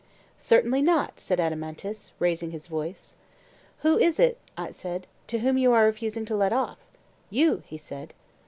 Certainly not, said Adeimantus, raising his voice. Who is it, I said, whom you are refusing to let off? You, he said.